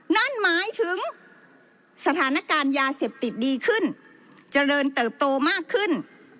นั่นหมายถึงสถานการณ์ยาเสพติดดีขึ้นเจริญเติบโตมากขึ้น